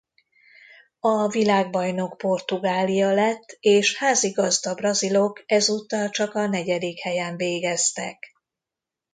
A világbajnok Portugália lett és házigazda brazilok ezúttal csak a negyedik helyen végeztek.